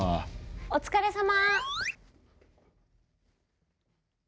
・お疲れさま！